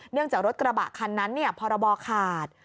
เนื่องจากรถกระบะคันนั้นเนี่ยพรบขาด